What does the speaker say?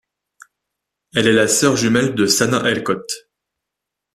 Elle est la sœur jumelle de Sanna El Kott.